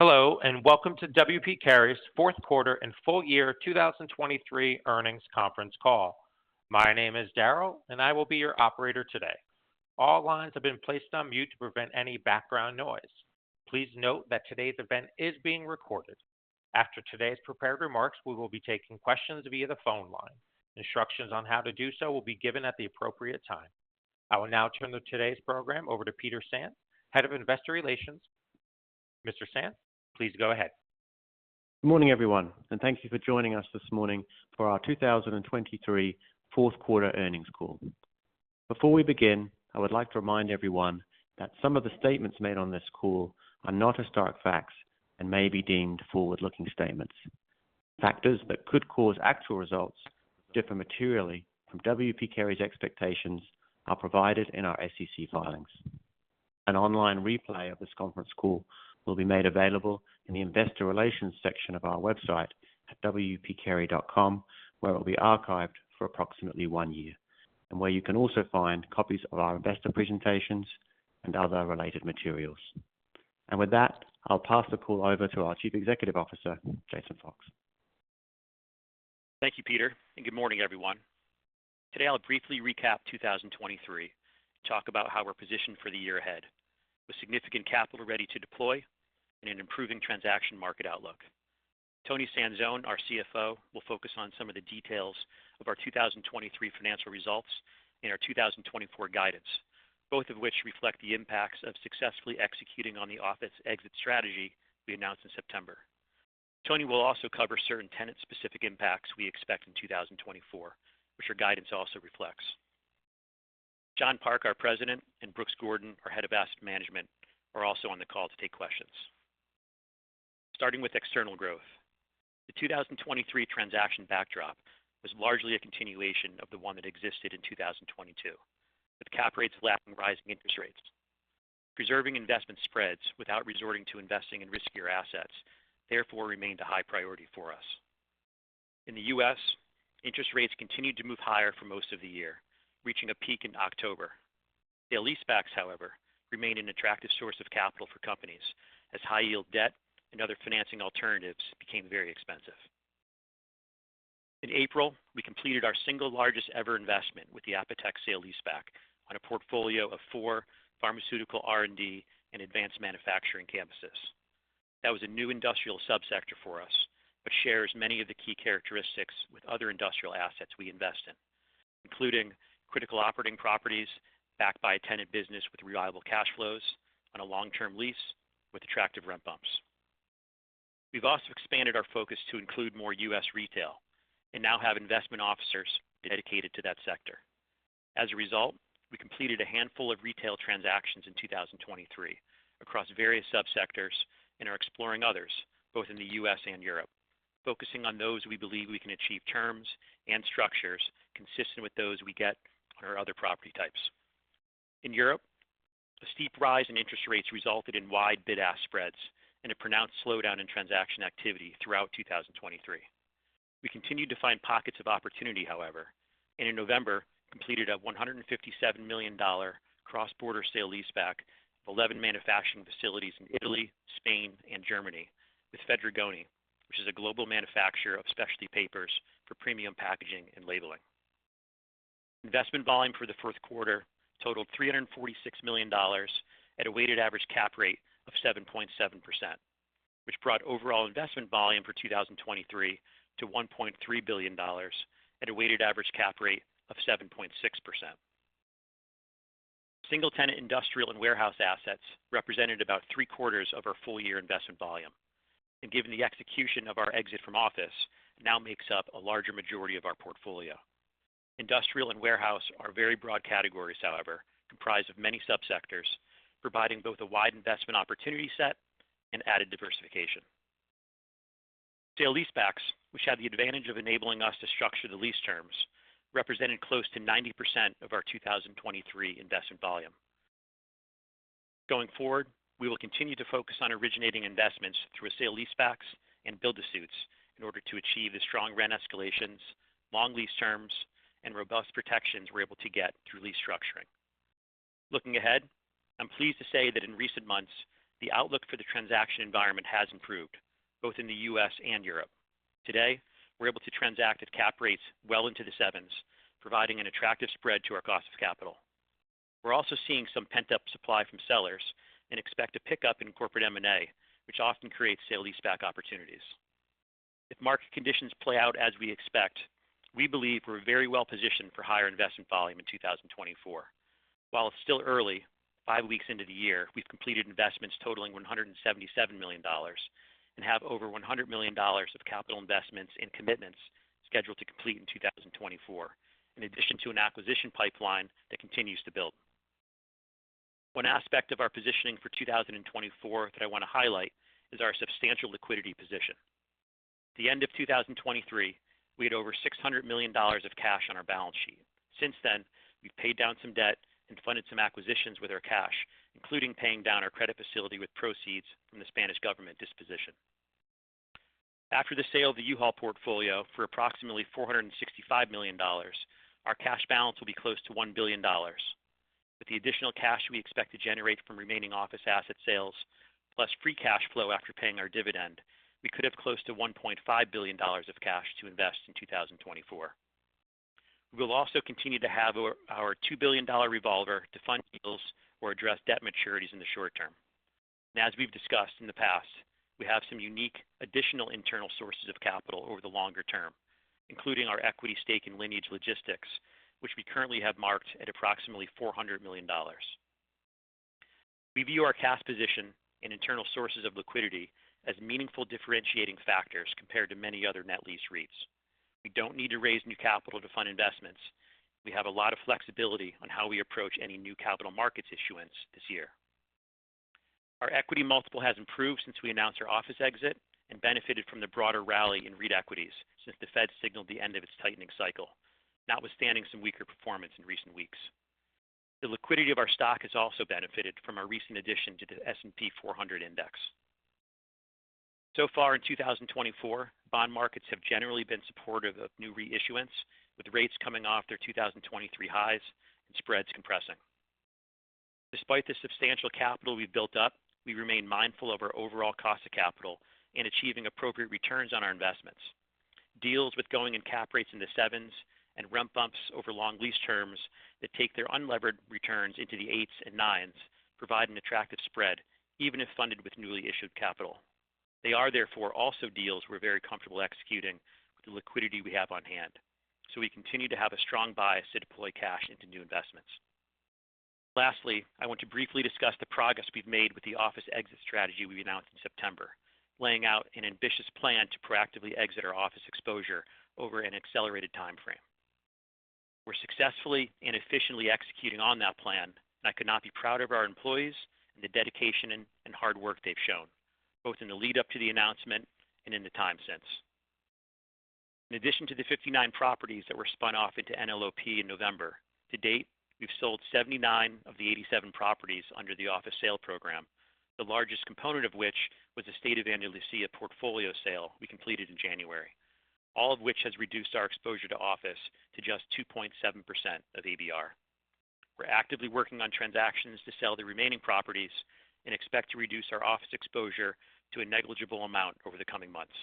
Hello, and welcome to W. P. Carey's fourth quarter and full year 2023 earnings conference call. My name is Daryl, and I will be your operator today. All lines have been placed on mute to prevent any background noise. Please note that today's event is being recorded. After today's prepared remarks, we will be taking questions via the phone line. Instructions on how to do so will be given at the appropriate time. I will now turn to today's program over to Peter Sand, Head of Investor Relations. Mr. Sand, please go ahead. Good morning, everyone, and thank you for joining us this morning for our 2023 fourth quarter earnings call. Before we begin, I would like to remind everyone that some of the statements made on this call are not historic facts and may be deemed forward-looking statements. Factors that could cause actual results to differ materially from W. P. Carey's expectations are provided in our SEC filings. An online replay of this conference call will be made available in the Investor Relations section of our website at wpcarey.com, where it will be archived for approximately one year, and where you can also find copies of our investor presentations and other related materials. With that, I'll pass the call over to our Chief Executive Officer, Jason Fox. Thank you, Peter, and good morning, everyone. Today, I'll briefly recap 2023, talk about how we're positioned for the year ahead, with significant capital ready to deploy and an improving transaction market outlook. Toni Sanzone, our CFO, will focus on some of the details of our 2023 financial results and our 2024 guidance, both of which reflect the impacts of successfully executing on the office exit strategy we announced in September. Toni will also cover certain tenant-specific impacts we expect in 2024, which our guidance also reflects. John Park, our President, and Brooks Gordon, our Head of Asset Management, are also on the call to take questions. Starting with external growth. The 2023 transaction backdrop was largely a continuation of the one that existed in 2022, with cap rates lagging rising interest rates. Preserving investment spreads without resorting to investing in riskier assets, therefore remained a high priority for us. In the U.S., interest rates continued to move higher for most of the year, reaching a peak in October. The lease backs, however, remained an attractive source of capital for companies as high yield debt and other financing alternatives became very expensive. In April, we completed our single largest ever investment with the Apotex sale-leaseback on a portfolio of four pharmaceutical R&D and advanced manufacturing campuses. That was a new industrial subsector for us, but shares many of the key characteristics with other industrial assets we invest in, including critical operating properties backed by a tenant business with reliable cash flows on a long-term lease with attractive rent bumps. We've also expanded our focus to include more U.S. retail and now have investment officers dedicated to that sector. As a result, we completed a handful of retail transactions in 2023 across various subsectors and are exploring others, both in the U.S. and Europe, focusing on those we believe we can achieve terms and structures consistent with those we get on our other property types. In Europe, a steep rise in interest rates resulted in wide bid-ask spreads and a pronounced slowdown in transaction activity throughout 2023. We continued to find pockets of opportunity, however, and in November, completed a $157 million cross-border sale-leaseback of 11 manufacturing facilities in Italy, Spain, and Germany, with Fedrigoni, which is a global manufacturer of specialty papers for premium packaging and labeling. Investment volume for the fourth quarter totaled $346 million at a weighted average cap rate of 7.7%, which brought overall investment volume for 2023 to $1.3 billion at a weighted average cap rate of 7.6%. Single tenant industrial and warehouse assets represented about three-quarters of our full-year investment volume, and given the execution of our exit from office, now makes up a larger majority of our portfolio. Industrial and warehouse are very broad categories, however, comprised of many subsectors, providing both a wide investment opportunity set and added diversification. Sale-leasebacks, which have the advantage of enabling us to structure the lease terms, represented close to 90% of our 2023 investment volume. Going forward, we will continue to focus on originating investments through sale-leasebacks and build-to-suits in order to achieve the strong rent escalations, long lease terms, and robust protections we're able to get through lease structuring. Looking ahead, I'm pleased to say that in recent months, the outlook for the transaction environment has improved, both in the U.S. and Europe. Today, we're able to transact at cap rates well into the 7s, providing an attractive spread to our cost of capital. We're also seeing some pent-up supply from sellers and expect a pickup in corporate M&A, which often creates sale-leaseback opportunities. If market conditions play out as we expect, we believe we're very well positioned for higher investment volume in 2024. While it's still early, five weeks into the year, we've completed investments totaling $177 million and have over $100 million of capital investments and commitments scheduled to complete in 2024, in addition to an acquisition pipeline that continues to build. One aspect of our positioning for 2024 that I want to highlight is our substantial liquidity position. At the end of 2023, we had over $600 million of cash on our balance sheet. Since then, we've paid down some debt and funded some acquisitions with our cash, including paying down our credit facility with proceeds from the Spanish government disposition.... After the sale of the U-Haul portfolio for approximately $465 million, our cash balance will be close to $1 billion. With the additional cash we expect to generate from remaining office asset sales, plus free cash flow after paying our dividend, we could have close to $1.5 billion of cash to invest in 2024. We will also continue to have our $2 billion revolver to fund deals or address debt maturities in the short term. As we've discussed in the past, we have some unique additional internal sources of capital over the longer term, including our equity stake in Lineage Logistics, which we currently have marked at approximately $400 million. We view our cash position and internal sources of liquidity as meaningful differentiating factors compared to many other net lease REITs. We don't need to raise new capital to fund investments. We have a lot of flexibility on how we approach any new capital markets issuance this year. Our equity multiple has improved since we announced our office exit and benefited from the broader rally in REIT equities since the Fed signaled the end of its tightening cycle, notwithstanding some weaker performance in recent weeks. The liquidity of our stock has also benefited from our recent addition to the S&P 400 Index. So far in 2024, bond markets have generally been supportive of new REIT issuance, with rates coming off their 2023 highs and spreads compressing. Despite the substantial capital we've built up, we remain mindful of our overall cost of capital in achieving appropriate returns on our investments. Deals with going-in cap rates in the 7s and rent bumps over long lease terms that take their unlevered returns into the 8s and 9s provide an attractive spread, even if funded with newly issued capital. They are therefore also deals we're very comfortable executing with the liquidity we have on hand, so we continue to have a strong bias to deploy cash into new investments. Lastly, I want to briefly discuss the progress we've made with the office exit strategy we announced in September, laying out an ambitious plan to proactively exit our office exposure over an accelerated time frame. We're successfully and efficiently executing on that plan. I could not be prouder of our employees and the dedication and hard work they've shown, both in the lead up to the announcement and in the time since. In addition to the 59 properties that were spun off into NLOP in November, to date, we've sold 79 of the 87 properties under the office sale program, the largest component of which was the State of Andalusia portfolio sale we completed in January, all of which has reduced our exposure to office to just 2.7% of ABR. We're actively working on transactions to sell the remaining properties and expect to reduce our office exposure to a negligible amount over the coming months.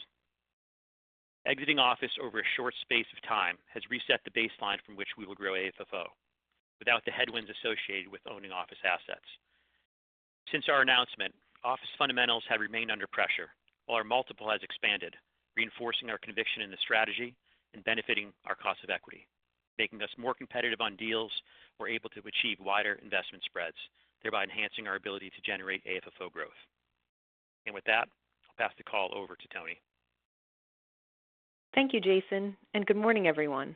Exiting office over a short space of time has reset the baseline from which we will grow AFFO without the headwinds associated with owning office assets. Since our announcement, office fundamentals have remained under pressure, while our multiple has expanded, reinforcing our conviction in the strategy and benefiting our cost of equity. Making us more competitive on deals, we're able to achieve wider investment spreads, thereby enhancing our ability to generate AFFO growth. With that, I'll pass the call over to Toni. Thank you, Jason, and good morning, everyone.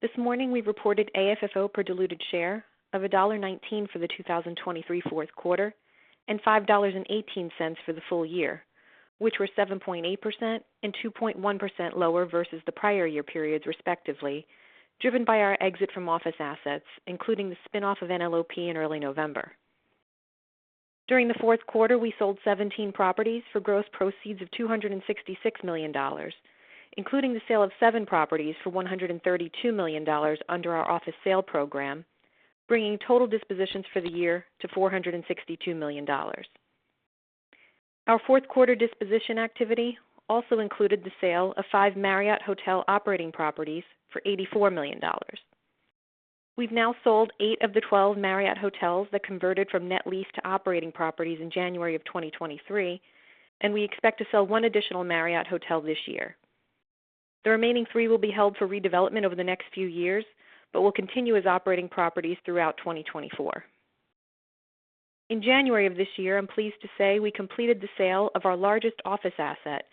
This morning we reported AFFO per diluted share of $1.19 for the 2023 fourth quarter and $5.18 for the full year, which were 7.8% and 2.1% lower versus the prior year periods, respectively, driven by our exit from office assets, including the spin-off of NLOP in early November. During the fourth quarter, we sold 17 properties for gross proceeds of $266 million, including the sale of 7 properties for $132 million under our office sale program, bringing total dispositions for the year to $462 million. Our fourth quarter disposition activity also included the sale of 5 Marriott Hotel operating properties for $84 million. We've now sold eight of the 12 Marriott hotels that converted from net lease to operating properties in January of 2023, and we expect to sell one additional Marriott hotel this year. The remaining three will be held for redevelopment over the next few years, but will continue as operating properties throughout 2024. In January of this year, I'm pleased to say we completed the sale of our largest office asset,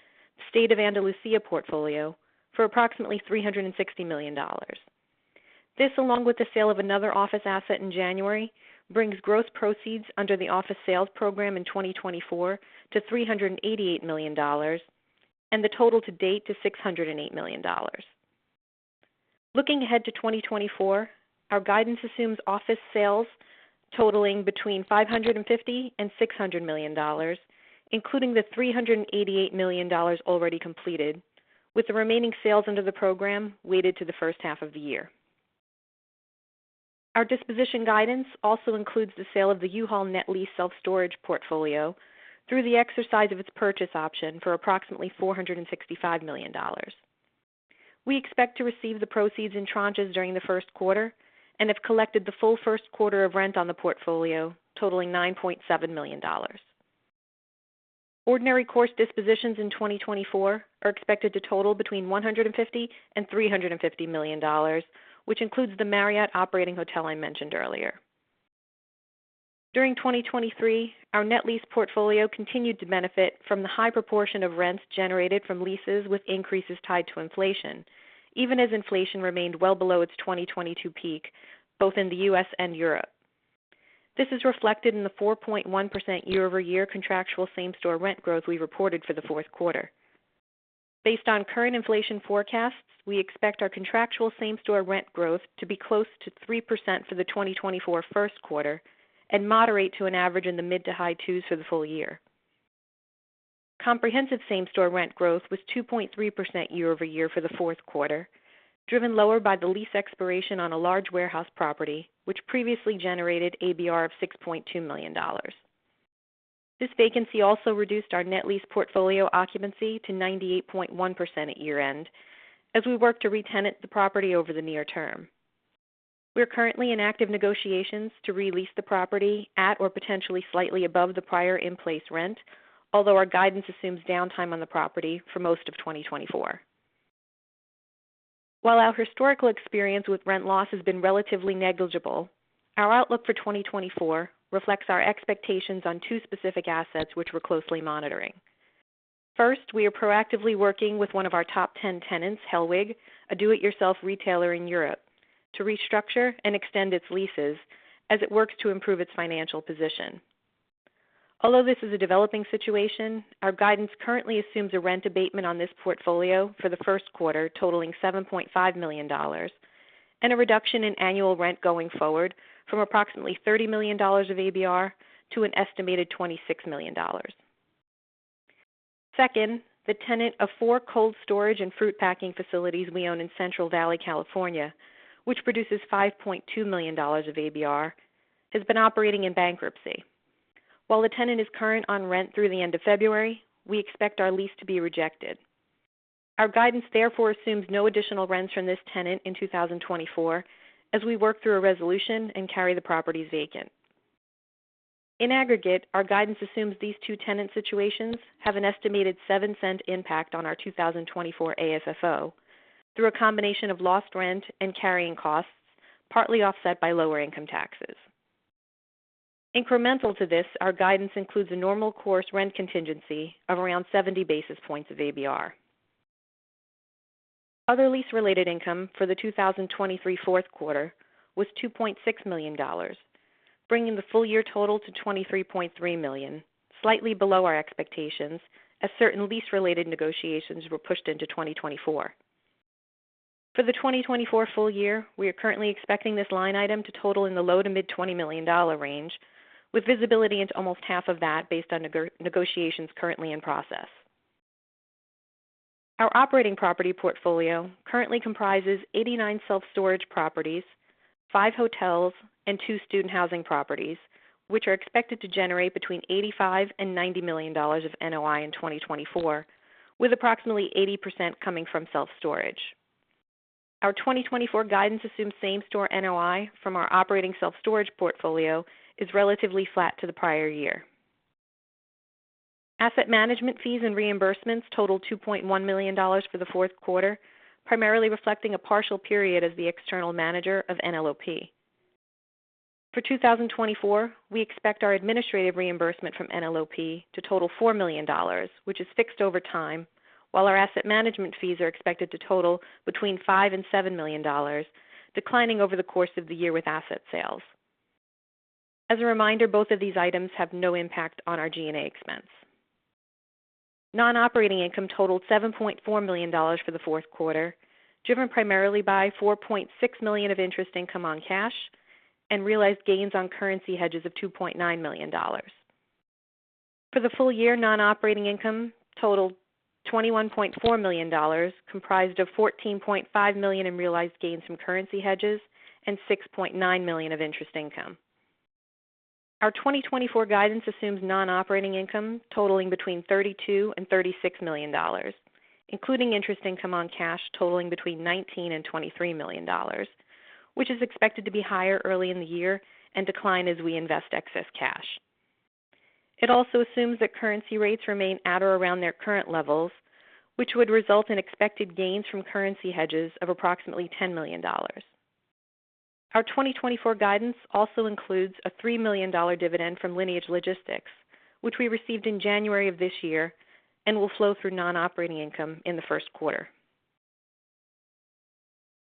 State of Andalusia portfolio, for approximately $360 million. This, along with the sale of another office asset in January, brings gross proceeds under the office sales program in 2024 to $388 million, and the total to date to $608 million. Looking ahead to 2024, our guidance assumes office sales totaling between $550 million and $600 million, including the $388 million already completed, with the remaining sales under the program weighted to the first half of the year. Our disposition guidance also includes the sale of the U-Haul net lease self-storage portfolio through the exercise of its purchase option for approximately $465 million. We expect to receive the proceeds in tranches during the first quarter and have collected the full first quarter of rent on the portfolio, totaling $9.7 million. Ordinary course dispositions in 2024 are expected to total between $150 million and $350 million, which includes the Marriott operating hotel I mentioned earlier. During 2023, our net lease portfolio continued to benefit from the high proportion of rents generated from leases, with increases tied to inflation, even as inflation remained well below its 2022 peak, both in the U.S. and Europe. This is reflected in the 4.1% year-over-year contractual same-store rent growth we reported for the fourth quarter. Based on current inflation forecasts, we expect our contractual same-store rent growth to be close to 3% for the 2024 first quarter and moderate to an average in the mid- to high-2s for the full year. Comprehensive same-store rent growth was 2.3% year-over-year for the fourth quarter, driven lower by the lease expiration on a large warehouse property, which previously generated ABR of $6.2 million. This vacancy also reduced our net lease portfolio occupancy to 98.1% at year-end as we work to retenant the property over the near term. We're currently in active negotiations to re-lease the property at or potentially slightly above the prior in-place rent, although our guidance assumes downtime on the property for most of 2024. While our historical experience with rent loss has been relatively negligible, our outlook for 2024 reflects our expectations on two specific assets, which we're closely monitoring. First, we are proactively working with one of our top 10 tenants, Hellweg, a do-it-yourself retailer in Europe, to restructure and extend its leases as it works to improve its financial position. Although this is a developing situation, our guidance currently assumes a rent abatement on this portfolio for the first quarter, totaling $7.5 million, and a reduction in annual rent going forward from approximately $30 million of ABR to an estimated $26 million. Second, the tenant of four cold storage and fruit packing facilities we own in Central Valley, California, which produces $5.2 million of ABR, has been operating in bankruptcy. While the tenant is current on rent through the end of February, we expect our lease to be rejected. Our guidance therefore assumes no additional rents from this tenant in 2024 as we work through a resolution and carry the properties vacant. In aggregate, our guidance assumes these two tenant situations have an estimated $0.07 impact on our 2024 AFFO through a combination of lost rent and carrying costs, partly offset by lower income taxes. Incremental to this, our guidance includes a normal course rent contingency of around 70 basis points of ABR. Other lease-related income for the 2023 fourth quarter was $2.6 million, bringing the full year total to $23.3 million, slightly below our expectations, as certain lease-related negotiations were pushed into 2024. For the 2024 full year, we are currently expecting this line item to total in the low- to mid-$20 million range, with visibility into almost half of that based on negotiations currently in process. Our operating property portfolio currently comprises 89 self-storage properties, five hotels, and two student housing properties, which are expected to generate between $85 million-$90 million of NOI in 2024, with approximately 80% coming from self-storage. Our 2024 guidance assumes same-store NOI from our operating self-storage portfolio is relatively flat to the prior year. Asset management fees and reimbursements totaled $2.1 million for the fourth quarter, primarily reflecting a partial period as the external manager of NLOP. For 2024, we expect our administrative reimbursement from NLOP to total $4 million, which is fixed over time, while our asset management fees are expected to total between $5 million-$7 million, declining over the course of the year with asset sales. As a reminder, both of these items have no impact on our G&A expense. Non-operating income totaled $7.4 million for the fourth quarter, driven primarily by $4.6 million of interest income on cash and realized gains on currency hedges of $2.9 million. For the full year, non-operating income totaled $21.4 million, comprised of $14.5 million in realized gains from currency hedges and $6.9 million of interest income. Our 2024 guidance assumes non-operating income totaling between $32 million and $36 million, including interest income on cash totaling between $19 million and $23 million, which is expected to be higher early in the year and decline as we invest excess cash. It also assumes that currency rates remain at or around their current levels, which would result in expected gains from currency hedges of approximately $10 million. Our 2024 guidance also includes a $3 million dividend from Lineage Logistics, which we received in January of this year and will flow through non-operating income in the first quarter.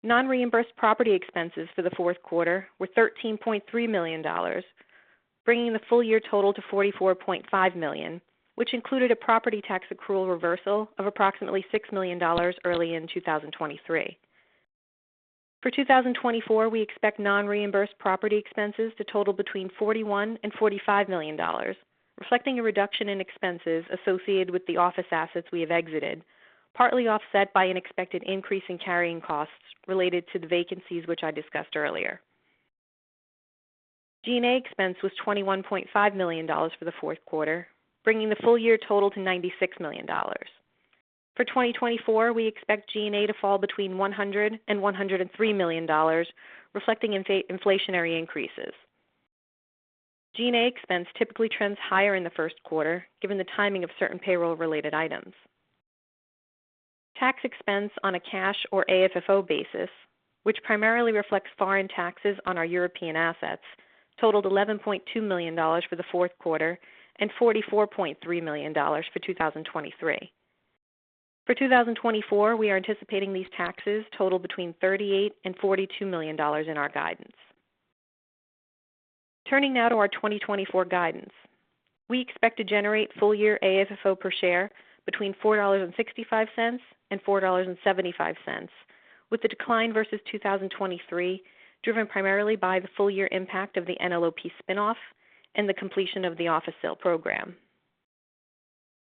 Non-reimbursed property expenses for the fourth quarter were $13.3 million, bringing the full year total to $44.5 million, which included a property tax accrual reversal of approximately $6 million early in 2023. For 2024, we expect non-reimbursed property expenses to total between $41 million and $45 million, reflecting a reduction in expenses associated with the office assets we have exited, partly offset by an expected increase in carrying costs related to the vacancies, which I discussed earlier. G&A expense was $21.5 million for the fourth quarter, bringing the full year total to $96 million. For 2024, we expect G&A to fall between $101 million and $103 million, reflecting inflationary increases. G&A expense typically trends higher in the first quarter, given the timing of certain payroll-related items. Tax expense on a cash or AFFO basis, which primarily reflects foreign taxes on our European assets, totaled $11.2 million for the fourth quarter and $44.3 million for 2023. For 2024, we are anticipating these taxes total between $38 million and $42 million in our guidance. Turning now to our 2024 guidance. We expect to generate full year AFFO per share between $4.65 and $4.75, with the decline versus 2023, driven primarily by the full year impact of the NLOP spin-off and the completion of the office sale program.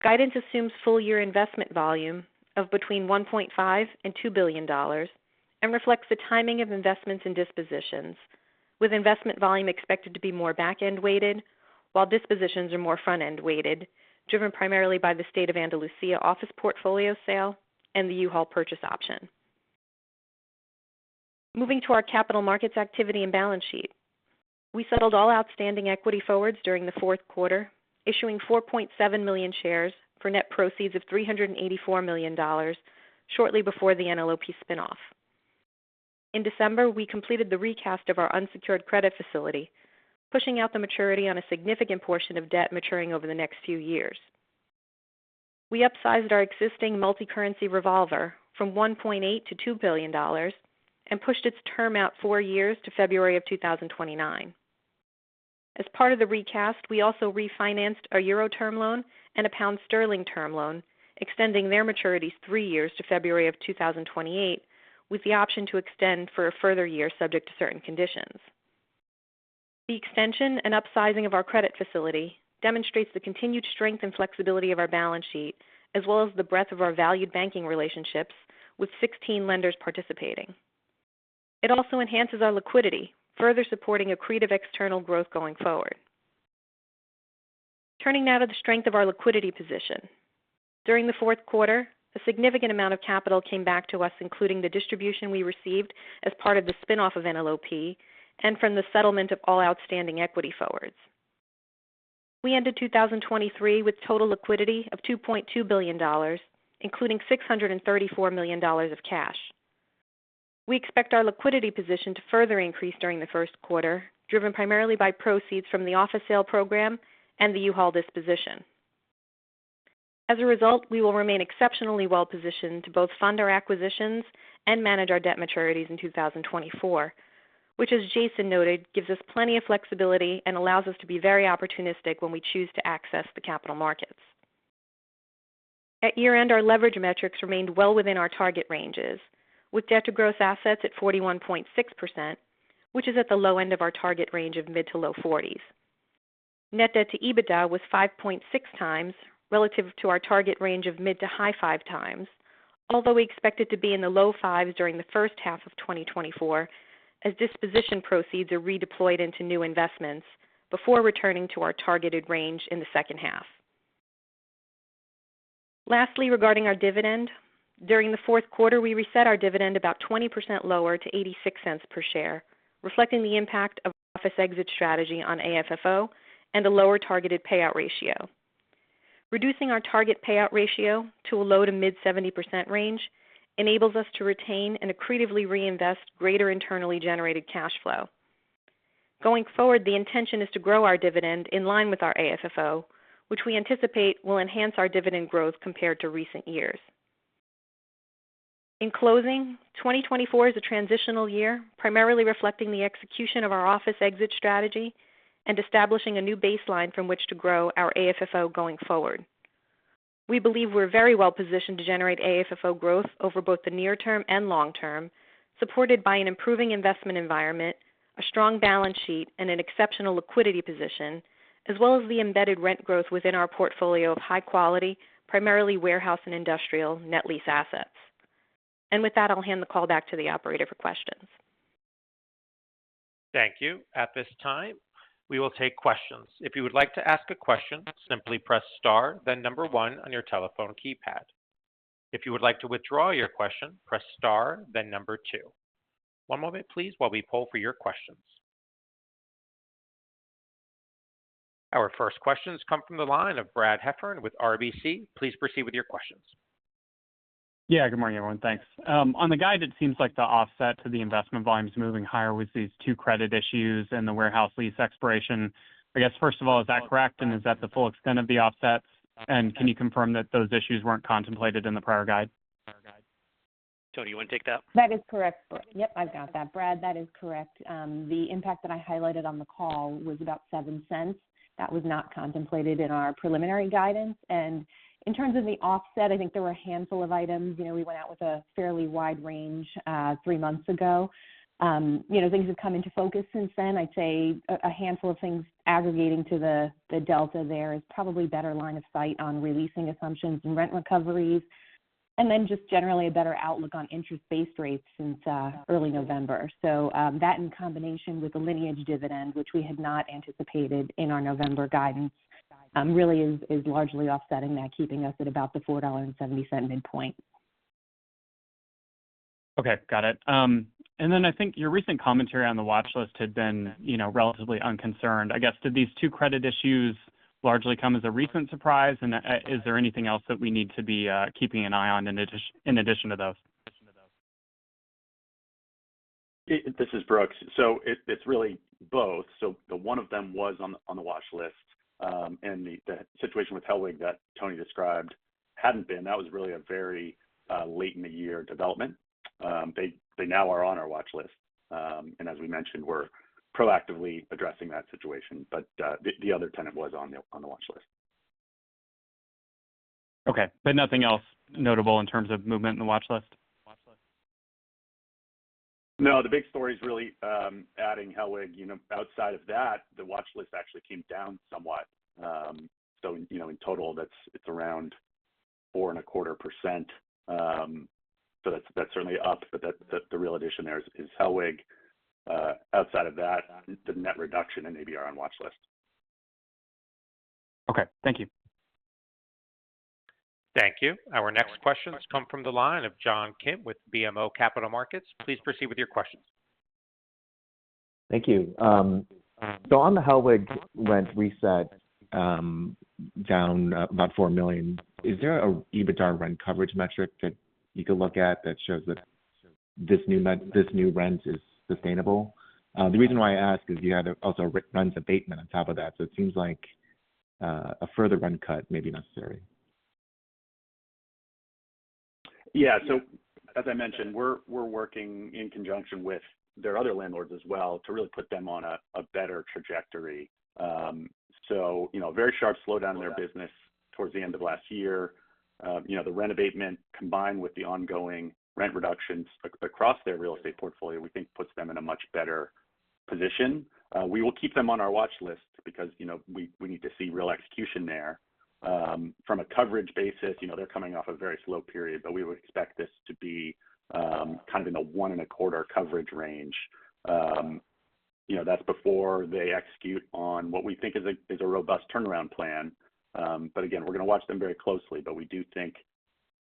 Guidance assumes full year investment volume of between $1.5 billion and $2 billion and reflects the timing of investments and dispositions, with investment volume expected to be more back-end weighted, while dispositions are more front-end weighted, driven primarily by the State of Andalusia office portfolio sale and the U-Haul purchase option. Moving to our capital markets activity and balance sheet. We settled all outstanding equity forwards during the fourth quarter, issuing 4.7 million shares for net proceeds of $384 million shortly before the NLOP spin-off. In December, we completed the recast of our unsecured credit facility, pushing out the maturity on a significant portion of debt maturing over the next few years. We upsized our existing multicurrency revolver from $1.8 billion to $2 billion and pushed its term out four years to February of 2029. As part of the recast, we also refinanced a Euro term loan and a pound sterling term loan, extending their maturities three years to February 2028, with the option to extend for a further year, subject to certain conditions. The extension and upsizing of our credit facility demonstrates the continued strength and flexibility of our balance sheet, as well as the breadth of our valued banking relationships with 16 lenders participating. It also enhances our liquidity, further supporting accretive external growth going forward. Turning now to the strength of our liquidity position. During the fourth quarter, a significant amount of capital came back to us, including the distribution we received as part of the spin-off of NLOP and from the settlement of all outstanding equity forwards. We ended 2023 with total liquidity of $2.2 billion, including $634 million of cash. We expect our liquidity position to further increase during the first quarter, driven primarily by proceeds from the office sale program and the U-Haul disposition. As a result, we will remain exceptionally well positioned to both fund our acquisitions and manage our debt maturities in 2024, which, as Jason noted, gives us plenty of flexibility and allows us to be very opportunistic when we choose to access the capital markets. At year-end, our leverage metrics remained well within our target ranges, with debt to growth assets at 41.6%, which is at the low end of our target range of mid- to low-40s. Net debt to EBITDA was 5.6x relative to our target range of mid- to high-5x, although we expect it to be in the low-5x during the first half of 2024, as disposition proceeds are redeployed into new investments before returning to our targeted range in the second half. Lastly, regarding our dividend, during the fourth quarter, we reset our dividend about 20% lower to $0.86 per share, reflecting the impact of office exit strategy on AFFO and a lower targeted payout ratio. Reducing our target payout ratio to a low- to mid-70% range enables us to retain and accretively reinvest greater internally generated cash flow. Going forward, the intention is to grow our dividend in line with our AFFO, which we anticipate will enhance our dividend growth compared to recent years. In closing, 2024 is a transitional year, primarily reflecting the execution of our office exit strategy and establishing a new baseline from which to grow our AFFO going forward. We believe we're very well positioned to generate AFFO growth over both the near term and long term, supported by an improving investment environment, a strong balance sheet, and an exceptional liquidity position, as well as the embedded rent growth within our portfolio of high quality, primarily warehouse and industrial net lease assets. With that, I'll hand the call back to the operator for questions. Thank you. At this time, we will take questions. If you would like to ask a question, simply press Star, then number one on your telephone keypad. If you would like to withdraw your question, press Star, then number two. One moment, please, while we poll for your questions. Our first questions come from the line of Brad Heffern with RBC. Please proceed with your questions. Yeah, good morning, everyone. Thanks. On the guide, it seems like the offset to the investment volume is moving higher with these two credit issues and the warehouse lease expiration. I guess, first of all, is that correct? And is that the full extent of the offsets? And can you confirm that those issues weren't contemplated in the prior guide? Toni, you want to take that? That is correct. Yep, I've got that. Brad, that is correct. The impact that I highlighted on the call was about $0.07. That was not contemplated in our preliminary guidance. In terms of the offset, I think there were a handful of items. You know, we went out with a fairly wide range, three months ago. You know, things have come into focus since then. I'd say a handful of things aggregating to the delta there is probably better line of sight on re-leasing assumptions and rent recoveries, and then just generally a better outlook on interest base rates since early November. That in combination with the Lineage dividend, which we had not anticipated in our November guidance, really is largely offsetting that, keeping us at about the $4.70 midpoint. Okay, got it. And then I think your recent commentary on the watchlist had been, you know, relatively unconcerned. I guess, did these two credit issues largely come as a recent surprise? And, is there anything else that we need to be, keeping an eye on in addition to those? This is Brooks. So it's really both. So the one of them was on the watch list, and the situation with Hellweg that Toni described hadn't been. That was really a very late in the year development. They now are on our watch list. And as we mentioned, we're proactively addressing that situation. But the other tenant was on the watch list. Okay, but nothing else notable in terms of movement in the watch list? Watch list. No, the big story is really adding Hellweg. You know, outside of that, the watch list actually came down somewhat. So, you know, in total, it's around 4.25%. So that's certainly up, but the real addition there is Hellweg. Outside of that, the net reduction in ABR on watch list. Okay, thank you. Thank you. Our next questions come from the line of John Kim with BMO Capital Markets. Please proceed with your questions. Thank you. So on the Hellweg rent reset, down about $4 million, is there a EBITDA rent coverage metric that you can look at that shows that this new rent is sustainable? The reason why I ask is you had also rent abatement on top of that, so it seems like a further rent cut may be necessary. Yeah. So as I mentioned, we're working in conjunction with their other landlords as well to really put them on a better trajectory. So, you know, very sharp slowdown in their business towards the end of last year. You know, the rent abatement, combined with the ongoing rent reductions across their real estate portfolio, we think puts them in a much better position. We will keep them on our watch list because, you know, we need to see real execution there. From a coverage basis, you know, they're coming off a very slow period, but we would expect this to be kind of in the 1.25 coverage range. You know, that's before they execute on what we think is a robust turnaround plan. But again, we're gonna watch them very closely. But we do think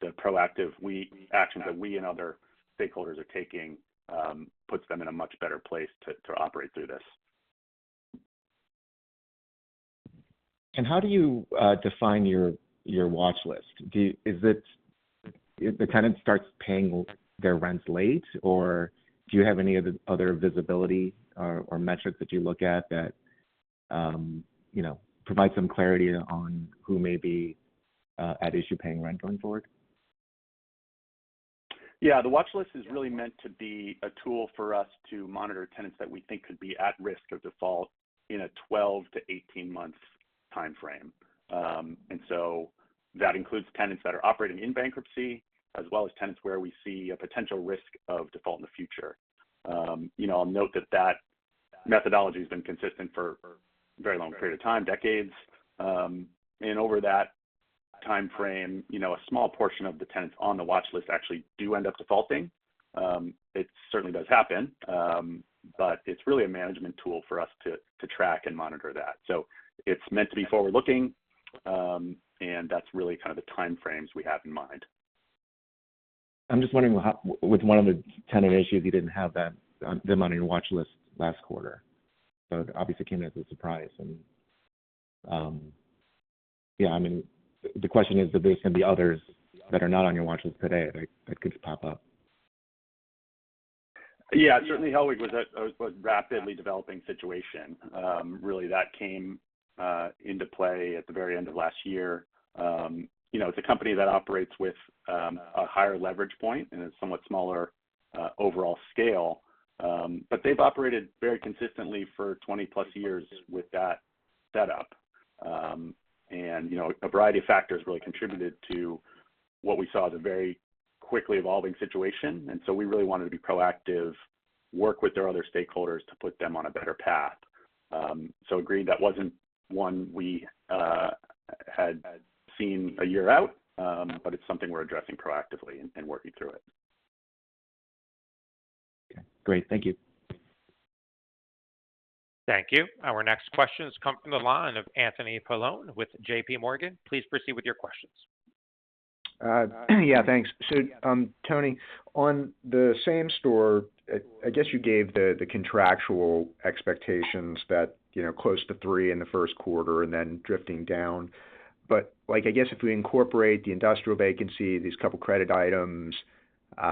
the proactive action that we and other stakeholders are taking puts them in a much better place to operate through this. How do you define your watch list? Is it if the tenant starts paying their rents late, or do you have any other visibility or metrics that you look at that you know provide some clarity on who may be at issue paying rent going forward? Yeah, the watch list is really meant to be a tool for us to monitor tenants that we think could be at risk of default in a 12-18 months timeframe. And so that includes tenants that are operating in bankruptcy, as well as tenants where we see a potential risk of default in the future. You know, I'll note that that methodology has been consistent for a very long period of time, decades. And over that timeframe, you know, a small portion of the tenants on the watch list actually do end up defaulting. It certainly does happen, but it's really a management tool for us to track and monitor that. So it's meant to be forward-looking, and that's really kind of the time frames we have in mind. I'm just wondering with one of the tenant issues, you didn't have that them on your watch list last quarter, so obviously came as a surprise. And, yeah, I mean, the question is, do they send the others that are not on your watch list today, that, that could pop up? Yeah, certainly Hellweg was a rapidly developing situation. Really, that came into play at the very end of last year. You know, it's a company that operates with a higher leverage point and a somewhat smaller overall scale. But they've operated very consistently for 20+ years with that setup. And, you know, a variety of factors really contributed to what we saw as a very quickly evolving situation, and so we really wanted to be proactive, work with their other stakeholders to put them on a better path. So agreed, that wasn't one we had seen a year out, but it's something we're addressing proactively and working through it. Great. Thank you. Thank you. Our next questions come from the line of Anthony Paolone with J.P. Morgan. Please proceed with your questions. Yeah, thanks. So, Tony, on the same store, I guess you gave the contractual expectations that, you know, close to three in the first quarter and then drifting down. But, like, I guess if we incorporate the industrial vacancy, these couple credit items, you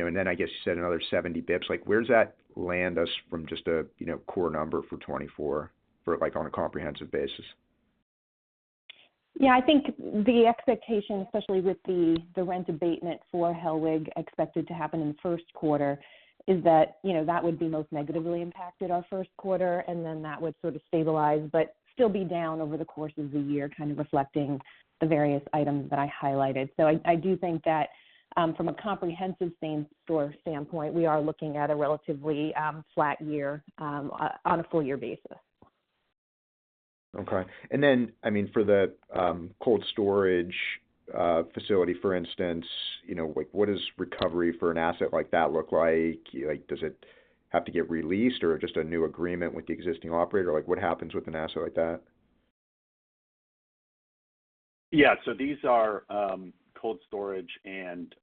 know, and then I guess you said another 70 basis points, like, where does that land us from just a, you know, core number for 2024, for, like, on a comprehensive basis? Yeah, I think the expectation, especially with the rent abatement for Hellweg, expected to happen in the first quarter, is that, you know, that would be most negatively impacted our first quarter, and then that would sort of stabilize but still be down over the course of the year, kind of reflecting the various items that I highlighted. So I do think that, from a comprehensive same store standpoint, we are looking at a relatively flat year, on a full year basis. Okay. And then, I mean, for the cold storage facility, for instance, you know, like, what does recovery for an asset like that look like? Like, does it have to get released or just a new agreement with the existing operator? Like, what happens with an asset like that? Yeah. So these are cold storage and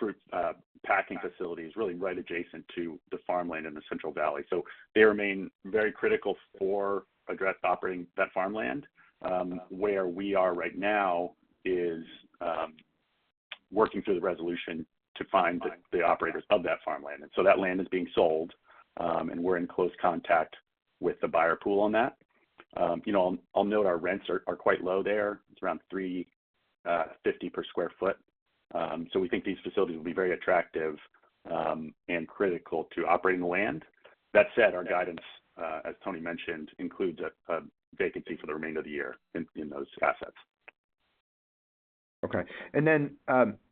fruit packing facilities, really right adjacent to the farmland in the Central Valley. So they remain very critical for addressing operating that farmland. Where we are right now is working through the resolution to find the operators of that farmland. And so that land is being sold, and we're in close contact with the buyer pool on that. You know, I'll note our rents are quite low there. It's around $3.50 per sq ft. So we think these facilities will be very attractive and critical to operating the land. That said, our guidance, as Tony mentioned, includes a vacancy for the remainder of the year in those assets. Okay. And then,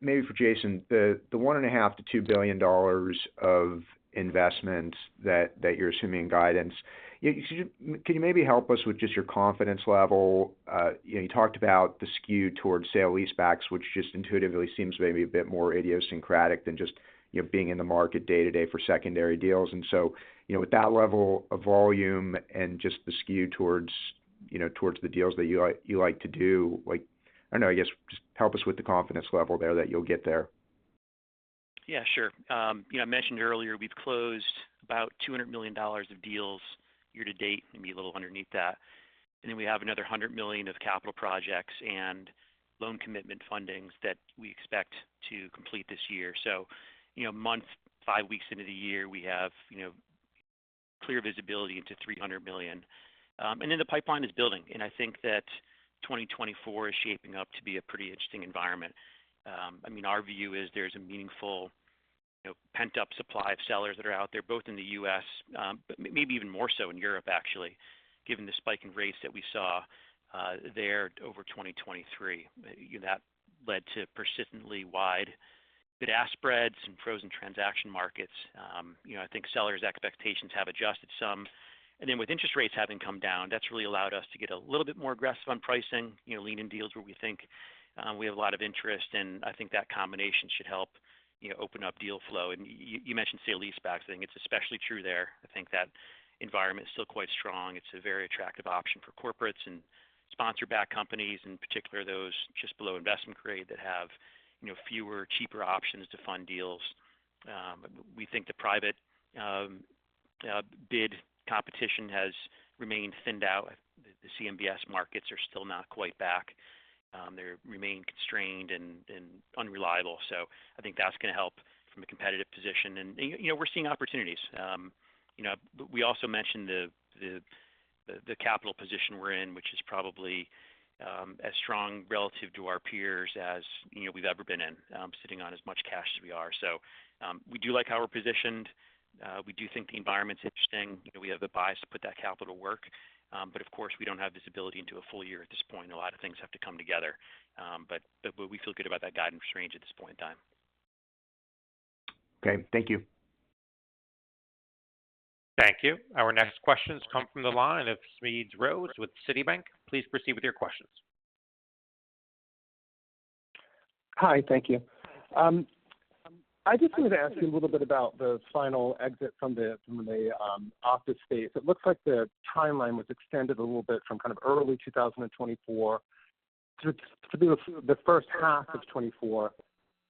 maybe for Jason, the $1.5 billion-$2 billion of investment that you're assuming in guidance, can you maybe help us with just your confidence level? You know, you talked about the skew towards sale-leasebacks, which just intuitively seems maybe a bit more idiosyncratic than just, you know, being in the market day-to-day for secondary deals. And so, you know, with that level of volume and just the skew towards, you know, towards the deals that you like, you like to do, like, I don't know, I guess just help us with the confidence level there that you'll get there. Yeah, sure. You know, I mentioned earlier, we've closed about $200 million of deals year to date, maybe a little underneath that. And then we have another $100 million of capital projects and loan commitment fundings that we expect to complete this year. So, you know, a month, five weeks into the year, we have, you know, clear visibility into $300 million. And then the pipeline is building, and I think that 2024 is shaping up to be a pretty interesting environment. I mean, our view is there's a meaningful, you know, pent-up supply of sellers that are out there, both in the U.S., but maybe even more so in Europe, actually, given the spike in rates that we saw there over 2023. You know, that led to persistently wide bid-ask spreads and frozen transaction markets. You know, I think sellers' expectations have adjusted some. And then with interest rates having come down, that's really allowed us to get a little bit more aggressive on pricing, you know, lean in deals where we think we have a lot of interest. And I think that combination should help, you know, open up deal flow. And you mentioned sale-leasebacks, I think it's especially true there. I think that environment is still quite strong. It's a very attractive option for corporates and sponsor-backed companies, in particular, those just below investment grade that have, you know, fewer, cheaper options to fund deals. We think the private bid competition has remained thinned out. The CMBS markets are still not quite back. They remain constrained and unreliable. So I think that's going to help from a competitive position. And, you know, we're seeing opportunities. You know, but we also mentioned the capital position we're in, which is probably, as strong relative to our peers as, you know, we've ever been in, sitting on as much cash as we are. So, we do like how we're positioned. We do think the environment's interesting. You know, we have the bias to put that capital to work. But of course, we don't have visibility into a full year at this point. A lot of things have to come together. But we feel good about that guidance range at this point in time. Okay. Thank you. Thank you. Our next question has come from the line of Smedes Rose with Citi. Please proceed with your questions. Hi, thank you. I just wanted to ask you a little bit about the final exit from the office space. It looks like the timeline was extended a little bit from kind of early 2024 to the first half of 2024.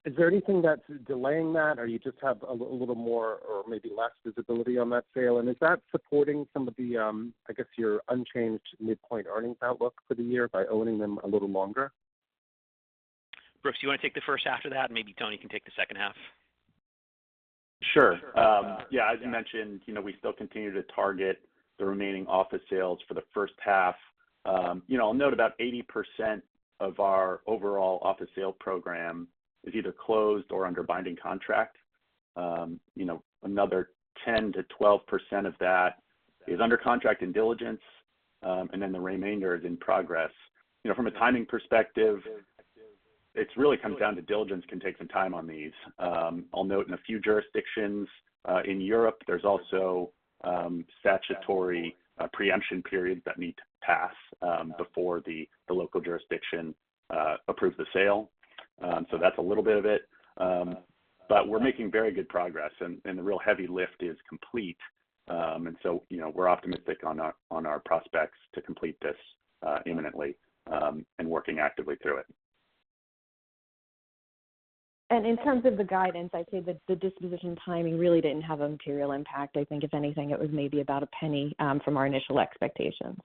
Is there anything that's delaying that, or you just have a little more or maybe less visibility on that sale? And is that supporting some of the, I guess, your unchanged midpoint earnings outlook for the year by owning them a little longer? Brooks, you want to take the first half of that, and maybe Tony can take the second half? Sure. Yeah, as you mentioned, you know, we still continue to target the remaining office sales for the first half. You know, I'll note about 80% of our overall office sale program is either closed or under binding contract. You know, another 10%-12% of that is under contract and diligence, and then the remainder is in progress. You know, from a timing perspective, it's really comes down to diligence can take some time on these. I'll note in a few jurisdictions in Europe, there's also statutory preemption periods that need to pass before the local jurisdiction approves the sale. So that's a little bit of it. But we're making very good progress, and the real heavy lift is complete. And so, you know, we're optimistic on our, on our prospects to complete this imminently, and working actively through it. In terms of the guidance, I'd say that the disposition timing really didn't have a material impact. I think if anything, it was maybe about $0.01 from our initial expectations.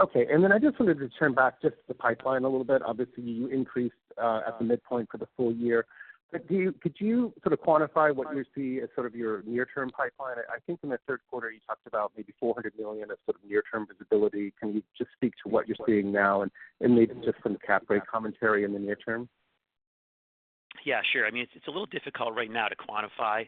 Okay. And then I just wanted to turn back just to the pipeline a little bit. Obviously, you increased at the midpoint for the full year. But do you, could you sort of quantify what you see as sort of your near-term pipeline? I think in the third quarter, you talked about maybe $400 million of sort of near-term visibility. Can you just speak to what you're seeing now and, and maybe just some cap rate commentary in the near term? Yeah, sure. I mean, it's a little difficult right now to quantify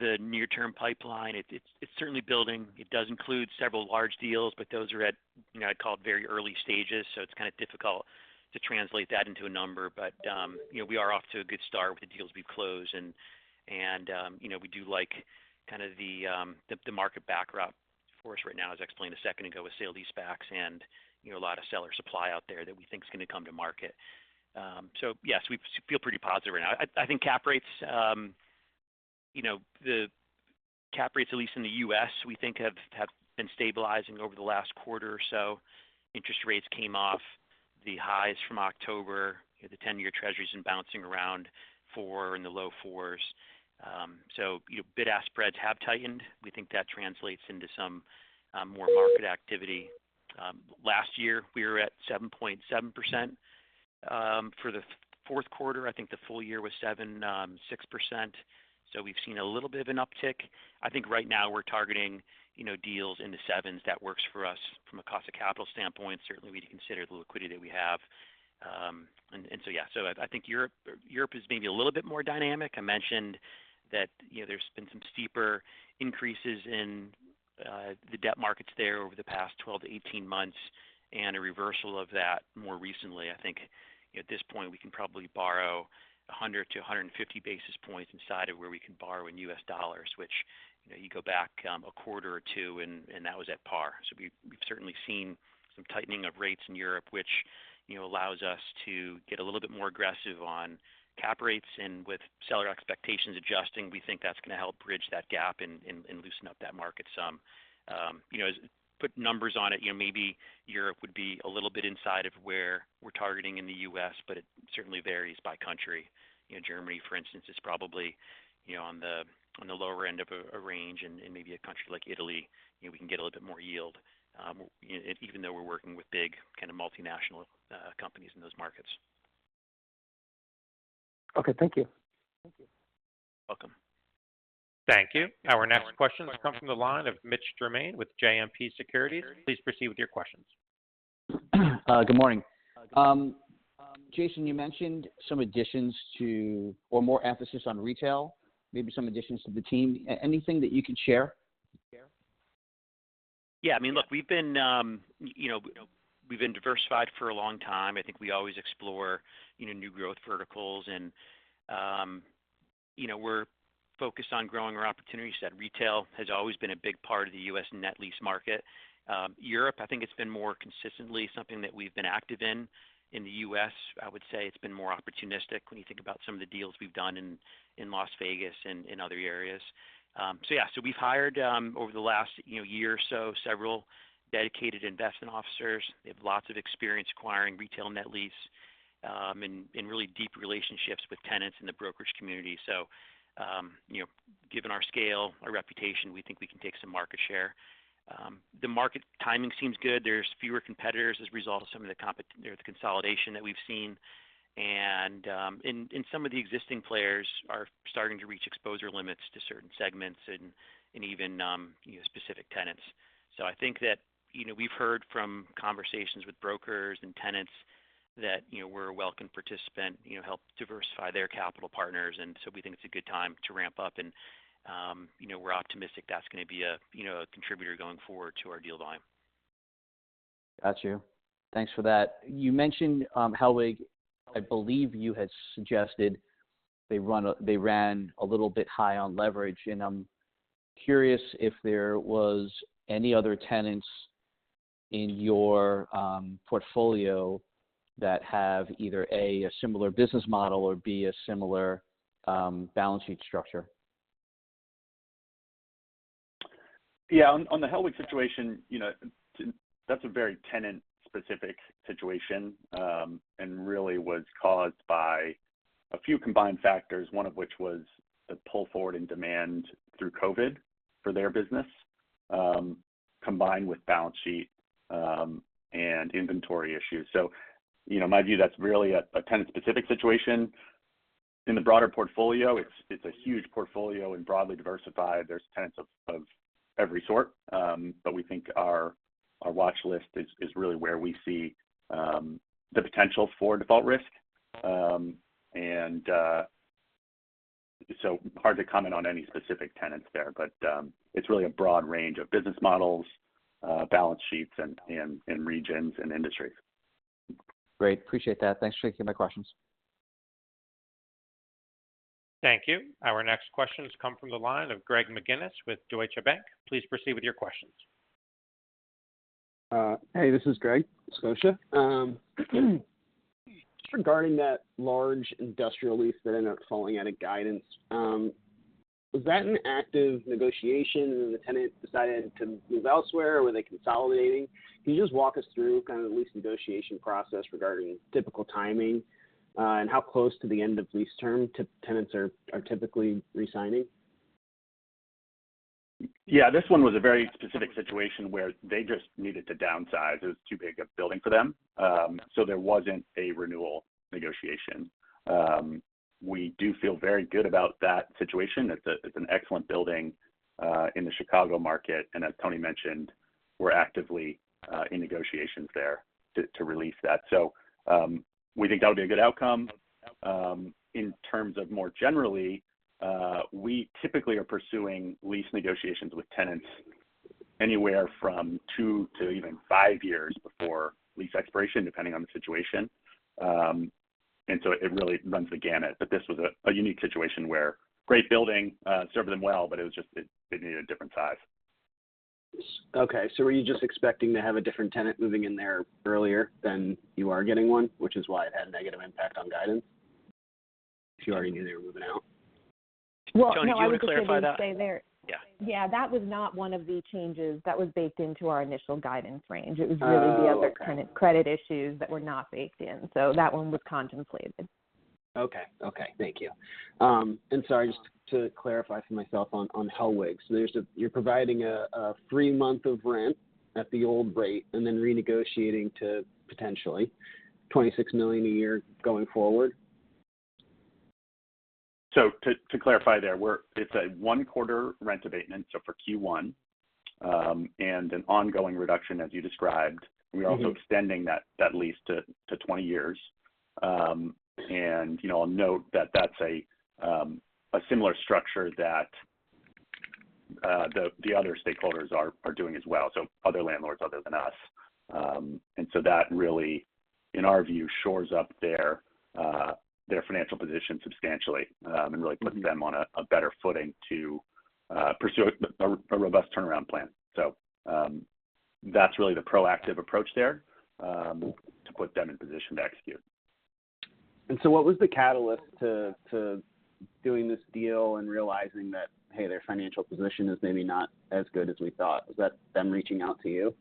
the near-term pipeline. It's certainly building. It does include several large deals, but those are at, you know, I'd call it very early stages, so it's kind of difficult to translate that into a number. But, you know, we are off to a good start with the deals we've closed. And, you know, we do like kind of the market backdrop for us right now, as I explained a second ago, with sale leasebacks and, you know, a lot of seller supply out there that we think is going to come to market. So yes, we feel pretty positive right now. I think cap rates, you know, the cap rates, at least in the U.S., we think have been stabilizing over the last quarter or so. Interest rates came off the highs from October. You know, the ten-year treasury has been bouncing around 4 and the low 4s. So, you know, bid-ask spreads have tightened. We think that translates into some more market activity. Last year, we were at 7.7% for the fourth quarter, I think the full year was 7.6%. So we've seen a little bit of an uptick. I think right now we're targeting, you know, deals in the 7s. That works for us from a cost of capital standpoint, certainly we consider the liquidity that we have. So yeah. So I think Europe is maybe a little bit more dynamic. I mentioned that, you know, there's been some steeper increases in the debt markets there over the past 12-18 months, and a reversal of that more recently. I think, at this point, we can probably borrow 100-150 basis points inside of where we can borrow in US dollars, which, you know, you go back a quarter or two, and that was at par. So we've certainly seen some tightening of rates in Europe, which, you know, allows us to get a little bit more aggressive on cap rates. And with seller expectations adjusting, we think that's gonna help bridge that gap and loosen up that market some. You know, as we put numbers on it, you know, maybe Europe would be a little bit inside of where we're targeting in the U.S., but it certainly varies by country. You know, Germany, for instance, is probably, you know, on the lower end of a range, and maybe a country like Italy, you know, we can get a little bit more yield, you know, even though we're working with big kind of multinational companies in those markets. Okay, thank you. Welcome. Thank you. Our next question comes from the line of Mitch Germain with JMP Securities. Please proceed with your questions. Good morning. Jason, you mentioned some additions to or more emphasis on retail, maybe some additions to the team. Anything that you can share? Yeah, I mean, look, we've been, you know, we've been diversified for a long time. I think we always explore, you know, new growth verticals, and you know, we're focused on growing our opportunities. That retail has always been a big part of the U.S. net lease market. Europe, I think it's been more consistently something that we've been active in. In the U.S., I would say it's been more opportunistic when you think about some of the deals we've done in Las Vegas and in other areas. So yeah. So we've hired, over the last, you know, year or so, several dedicated investment officers. They have lots of experience acquiring retail net lease, and really deep relationships with tenants in the brokerage community. So, you know, given our scale, our reputation, we think we can take some market share. The market timing seems good. There's fewer competitors as a result of some of the consolidation that we've seen. And some of the existing players are starting to reach exposure limits to certain segments and even specific tenants. So I think that, you know, we've heard from conversations with brokers and tenants that, you know, we're a welcome participant, you know, help diversify their capital partners, and so we think it's a good time to ramp up. And, you know, we're optimistic that's gonna be a, you know, a contributor going forward to our deal volume. Got you. Thanks for that. You mentioned Hellweg. I believe you had suggested they ran a little bit high on leverage, and I'm curious if there was any other tenants in your portfolio that have either, A, a similar business model, or B, a similar balance sheet structure. Yeah, on the HELLWEG situation, you know, that's a very tenant-specific situation, and really was caused by a few combined factors, one of which was the pull forward in demand through COVID for their business, combined with balance sheet, and inventory issues. So, you know, in my view, that's really a tenant-specific situation. In the broader portfolio, it's a huge portfolio and broadly diversified. There's tenants of every sort. But we think our watch list is really where we see the potential for default risk. And so hard to comment on any specific tenants there, but it's really a broad range of business models, balance sheets and regions and industries. Great. Appreciate that. Thanks for taking my questions. Thank you. Our next question comes from the line of Greg McGinnis with Scotiabank. Please proceed with your questions. Hey, this is Greg, Scotia. Just regarding that large industrial lease that ended up falling out of guidance, was that an active negotiation, and the tenant decided to move elsewhere? Or were they consolidating? Can you just walk us through kind of the lease negotiation process regarding typical timing, and how close to the end of lease term tenants are typically resigning? Yeah, this one was a very specific situation where they just needed to downsize. It was too big a building for them, so there wasn't a renewal negotiation. We do feel very good about that situation. It's a, it's an excellent building, in the Chicago market, and as Tony mentioned, we're actively, in negotiations there to, to re-lease that. So, we think that would be a good outcome. In terms of more generally, we typically are pursuing lease negotiations with tenants anywhere from two to even five years before lease expiration, depending on the situation. And so it really runs the gamut. But this was a, a unique situation where great building, served them well, but it was just, it, they needed a different size. Okay, so were you just expecting to have a different tenant moving in there earlier than you are getting one, which is why it had a negative impact on guidance? If you already knew they were moving out? Well, no, I would say- Tony, do you want to clarify that? Yeah. Yeah, that was not one of the changes that was baked into our initial guidance range. Oh, okay. It was really the other kind of credit issues that were not baked in, so that one was contemplated.... Okay. Okay, thank you. And sorry, just to clarify for myself on Hellweg. So there's a-- you're providing a free month of rent at the old rate, and then renegotiating to potentially $26 million a year going forward? So, to clarify there, we're. It's a one quarter rent abatement, so for Q1, and an ongoing reduction as you described. We are also extending that lease to 20 years. And, you know, I'll note that that's a similar structure that the other stakeholders are doing as well, so other landlords other than us. And so that really, in our view, shores up their financial position substantially, and really puts them on a better footing to pursue a robust turnaround plan. So, that's really the proactive approach there, to put them in position to execute. What was the catalyst to doing this deal and realizing that, hey, their financial position is maybe not as good as we thought? Was that them reaching out to you?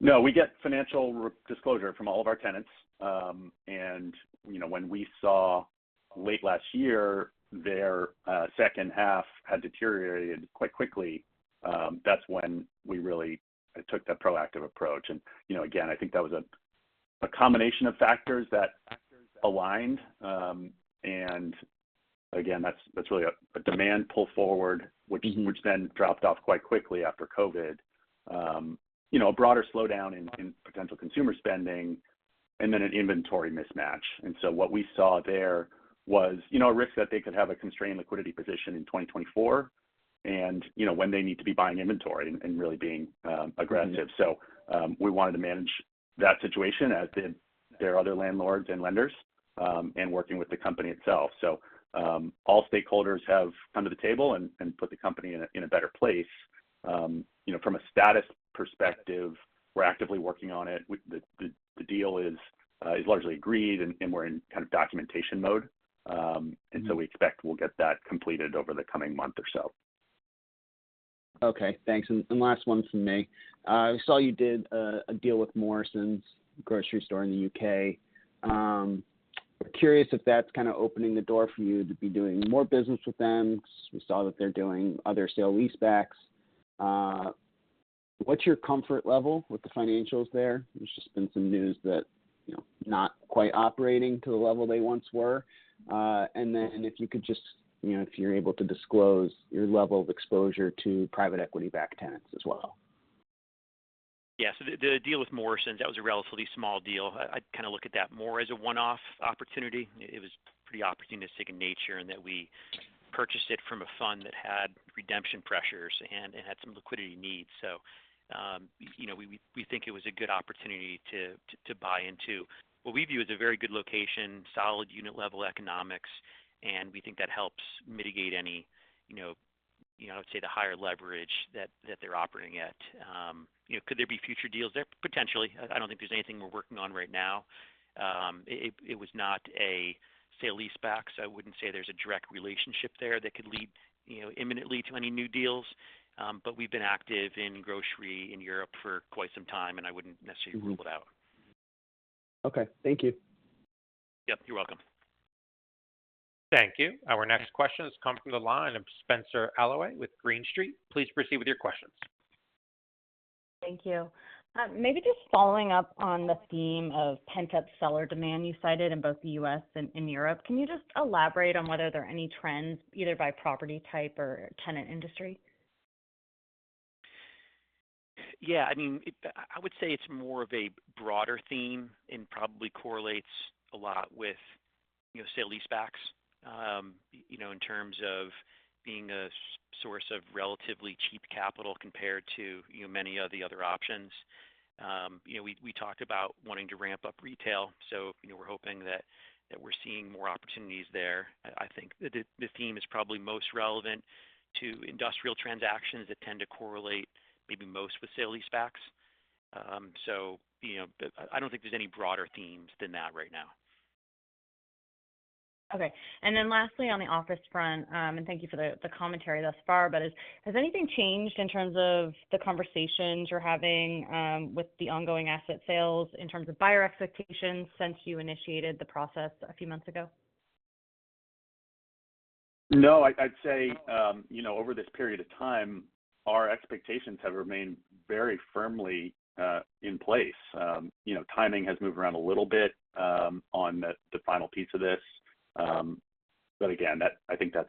No, we get financial disclosure from all of our tenants. And, you know, when we saw late last year their second half had deteriorated quite quickly, that's when we really took that proactive approach. And, you know, again, I think that was a combination of factors that aligned. And again, that's really a demand pull forward, which-... which then dropped off quite quickly after COVID. You know, a broader slowdown in potential consumer spending and then an inventory mismatch. And so what we saw there was, you know, a risk that they could have a constrained liquidity position in 2024 and, you know, when they need to be buying inventory and really being aggressive We wanted to manage that situation, as did their other landlords and lenders, and working with the company itself. All stakeholders have come to the table and put the company in a better place. You know, from a status perspective, we're actively working on it. The deal is largely agreed, and we're in kind of documentation mode.... and so we expect we'll get that completed over the coming month or so. Okay, thanks. And last one from me. I saw you did a deal with Morrisons Grocery Store in the UK. Curious if that's kind of opening the door for you to be doing more business with them, because we saw that they're doing other sale-leasebacks. What's your comfort level with the financials there? There's just been some news that, you know, not quite operating to the level they once were. And then if you could just, you know, if you're able to disclose your level of exposure to private equity-backed tenants as well. Yeah. So the deal with Morrisons, that was a relatively small deal. I'd kind of look at that more as a one-off opportunity. It was pretty opportunistic in nature, and we purchased it from a fund that had redemption pressures and had some liquidity needs. So, you know, we think it was a good opportunity to buy into what we view as a very good location, solid unit level economics, and we think that helps mitigate any, you know, I would say, the higher leverage that they're operating at. You know, could there be future deals there? Potentially. I don't think there's anything we're working on right now. It was not a sale-leaseback, so I wouldn't say there's a direct relationship there that could lead, you know, imminently to any new deals. But we've been active in grocery in Europe for quite some time, and I wouldn't necessarily rule it out. Okay, thank you. Yep, you're welcome. Thank you. Our next question is coming from the line of Spenser Allaway with Green Street. Please proceed with your questions. Thank you. Maybe just following up on the theme of pent-up seller demand you cited in both the U.S. and in Europe, can you just elaborate on whether there are any trends, either by property type or tenant industry? Yeah, I mean, I would say it's more of a broader theme and probably correlates a lot with, you know, sale-leasebacks, you know, in terms of being a source of relatively cheap capital compared to, you know, many of the other options. You know, we talked about wanting to ramp up retail, so, you know, we're hoping that we're seeing more opportunities there. I think the theme is probably most relevant to industrial transactions that tend to correlate maybe most with sale-leasebacks. So, you know, but I don't think there's any broader themes than that right now. Okay. And then lastly, on the office front, and thank you for the commentary thus far, but has anything changed in terms of the conversations you're having with the ongoing asset sales in terms of buyer expectations since you initiated the process a few months ago? No, I'd, I'd say, you know, over this period of time, our expectations have remained very firmly in place. You know, timing has moved around a little bit, on the final piece of this. But again, that, I think that's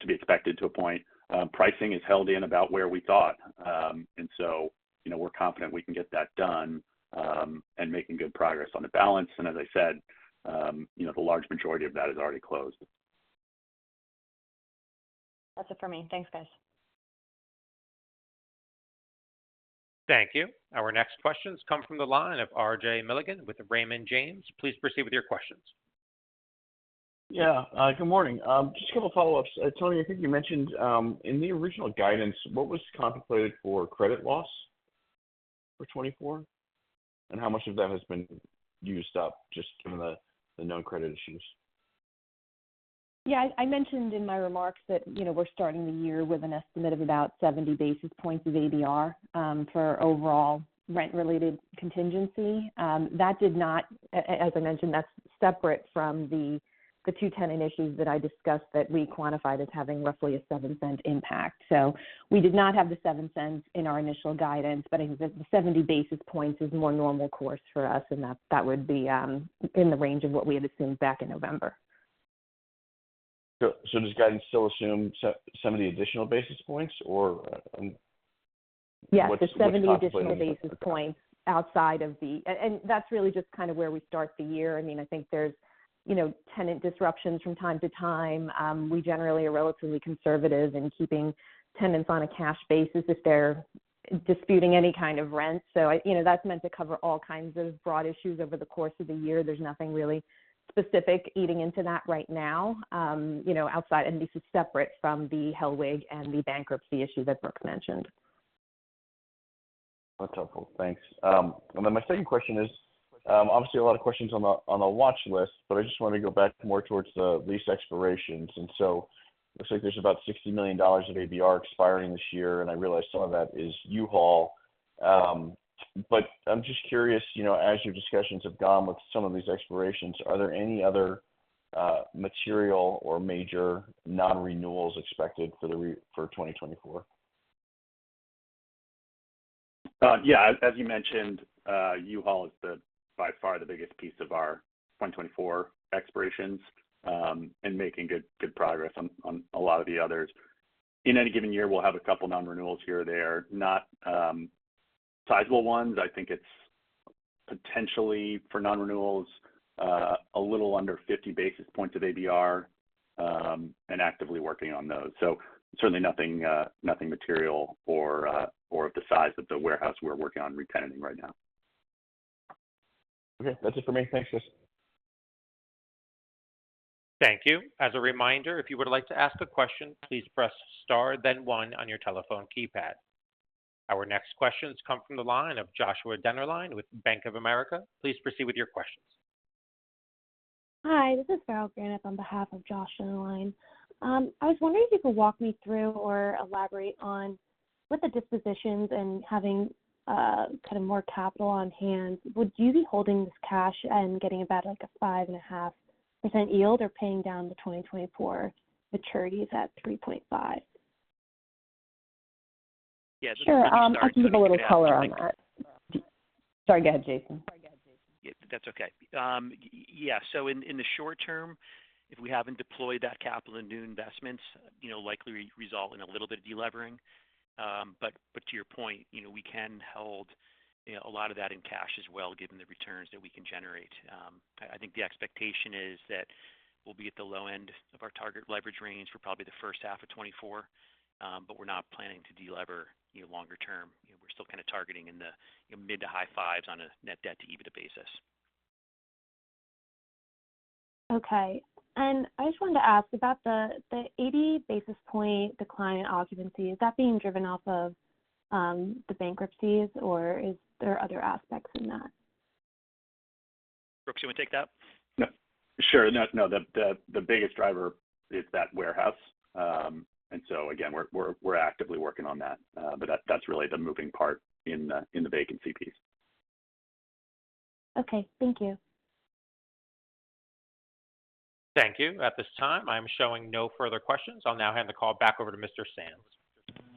to be expected to a point. Pricing is held in about where we thought. And so, you know, we're confident we can get that done, and making good progress on the balance. And as I said, you know, the large majority of that is already closed. That's it for me. Thanks, guys. Thank you. Our next question comes from the line of R.J. Milligan with Raymond James. Please proceed with your questions. Yeah, good morning. Just a couple follow-ups. Tony, I think you mentioned in the original guidance, what was contemplated for credit loss for 2024? And how much of that has been used up, just given the known credit issues? ... Yeah, I mentioned in my remarks that, you know, we're starting the year with an estimate of about 70 basis points of ABR for overall rent-related contingency. That did not, as I mentioned, that's separate from the two tenant issues that I discussed that we quantified as having roughly a $0.07 impact. So we did not have the $0.07 in our initial guidance, but the 70 basis points is more normal course for us, and that would be in the range of what we had assumed back in November. So, does guidance still assume 70 additional basis points or what's- Yes, there's 70 additional basis points outside of the... That's really just kind of where we start the year. I mean, I think there's, you know, tenant disruptions from time to time. We generally are relatively conservative in keeping tenants on a cash basis if they're disputing any kind of rent. So, you know, that's meant to cover all kinds of broad issues over the course of the year. There's nothing really specific eating into that right now, you know, outside, and this is separate from the HELLWEG and the bankruptcy issue that Brooks mentioned. That's helpful. Thanks. And then my second question is, obviously, a lot of questions on the, on the watch list, but I just wanted to go back more towards the lease expirations. And so it looks like there's about $60 million of ABR expiring this year, and I realize some of that is U-Haul. But I'm just curious, you know, as your discussions have gone with some of these expirations, are there any other, material or major non-renewals expected for 2024? Yeah, as you mentioned, U-Haul is by far the biggest piece of our 2024 expirations, and making good progress on a lot of the others. In any given year, we'll have a couple non-renewals here or there. Not sizable ones. I think it's potentially for non-renewals a little under 50 basis points of ABR, and actively working on those. So certainly nothing material or of the size of the warehouse we're working on retenanting right now. Okay. That's it for me. Thanks, guys. Thank you. As a reminder, if you would like to ask a question, please press Star, then one on your telephone keypad. Our next questions come from the line of Joshua Dennerline with Bank of America. Please proceed with your questions. Hi, this is Farrell Granath on behalf of Josh Dennerline. I was wondering if you could walk me through or elaborate on with the dispositions and having, kind of more capital on hand, would you be holding this cash and getting about, like, a 5.5% yield or paying down the 2024 maturities at 3.5? Yeah. Sure. I can give a little color on that. Sorry, go ahead, Jason. Yeah, that's okay. Yeah, so in the short term, if we haven't deployed that capital into new investments, you know, likely result in a little bit of delevering. But to your point, you know, we can hold, you know, a lot of that in cash as well, given the returns that we can generate. I think the expectation is that we'll be at the low end of our target leverage range for probably the first half of 2024, but we're not planning to delever, you know, longer term. You know, we're still kind of targeting in the mid to high fives on a net debt to EBITDA basis. Okay. I just wanted to ask about the 80 basis points decline in occupancy. Is that being driven off of the bankruptcies, or is there other aspects in that? Brooks, do you want to take that? Yeah. Sure. No, no, the biggest driver is that warehouse. And so again, we're actively working on that, but that's really the moving part in the vacancy piece. Okay. Thank you. Thank you. At this time, I'm showing no further questions. I'll now hand the call back over to Mr. Sands.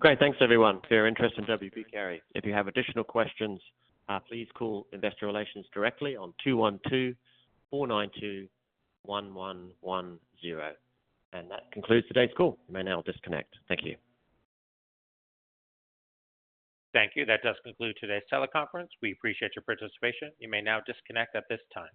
Great. Thanks, everyone, for your interest in W. P. Carey. If you have additional questions, please call investor relations directly on 212-492-1110. And that concludes today's call. You may now disconnect. Thank you. Thank you. That does conclude today's teleconference. We appreciate your participation. You may now disconnect at this time.